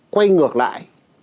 quay ngược lại